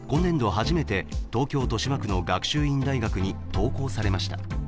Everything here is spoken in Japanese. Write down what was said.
初めて東京・豊島区の学習院大学に登校されました。